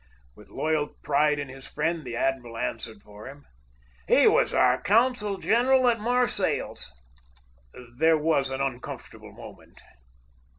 With loyal pride in his friend, the admiral answered for him: "He was our consul general at Marseilles!" There was an uncomfortable moment.